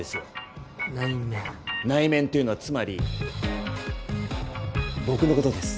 内面っていうのはつまり僕のことです。